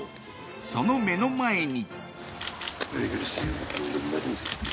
その目の前に。